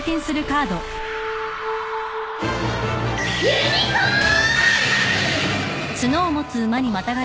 ユニコーン！